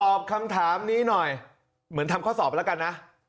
คำถามนี้หน่อยเหมือนทำข้อสอบไปแล้วกันนะ